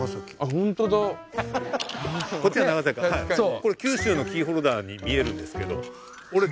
これ九州のキーホルダーに見えるんですけど。